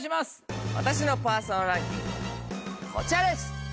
私のパーソナルランキングはこちらです！